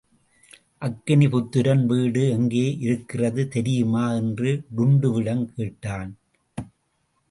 அக்கினி புத்திரன் வீடு எங்கே இருக்கிறது தெரியுமா? என்று டுன்டுவிடம் கேட்டான்.